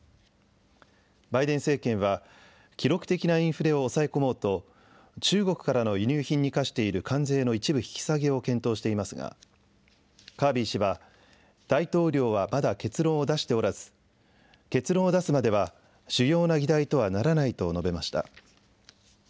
バイデン政権は、記録的なインフレを抑え込もうと、中国からの輸入品に課している関税の一部引き下げを検討していますが、カービー氏は大統領はまだ結論を出しておらず、結論を出すまでは、主要な議題とはならないと述べました。